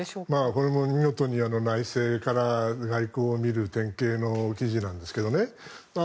これも見事に内政から外交を見る典型の記事なんですけどね